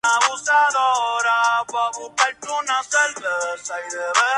La localidad estuvo recientemente en las etapas de planificación de ser incorporación.